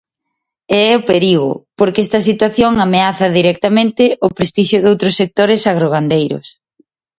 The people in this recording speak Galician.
E é o perigo, porque esta situación ameaza directamente o prestixio doutros sectores agrogandeiros.